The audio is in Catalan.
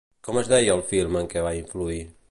Com es deia el film en què va influir?